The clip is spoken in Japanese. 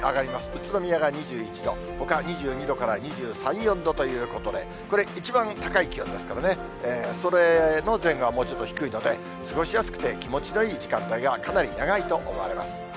宇都宮が２１度、ほかは２２度から２３、４度ということで、これ、一番高い気温ですからね、それの前後はもうちょっと低いので、過ごしやすくて気持ちのいい時間帯がかなり長いと思われます。